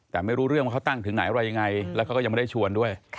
แต่ไม่รู้เรื่องว่าเขาตั้งถึงไหนอะไรยังไงแล้วเขาก็ยังไม่ได้ชวนด้วย